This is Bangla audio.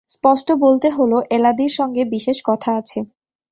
স্পষ্ট বলতে হল, এলাদির সঙ্গে বিশেষ কথা আছে।